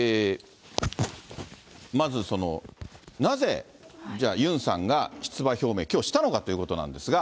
まず、なぜじゃあ、ユンさんが出馬表明、きょうしたのかということなんですが。